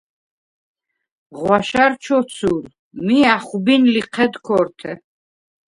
ღვაშა̈რ ჩოცურ, მი ა̈ხვბინ ლიჴედ ქორთე.